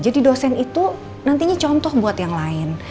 jadi dosen itu nantinya contoh buat yang lain